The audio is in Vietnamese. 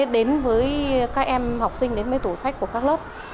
đến với các em học sinh đến với tủ sách của các lớp